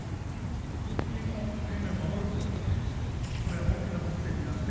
国民の生命を守るということが、これ、大きな目的であって。